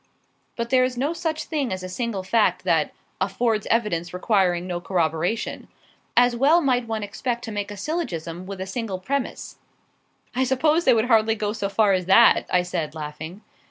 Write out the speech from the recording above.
But there is no such thing as a single fact that 'affords evidence requiring no corroboration.' As well might one expect to make a syllogism with a single premise." "I suppose they would hardly go so far as that," I said, laughing.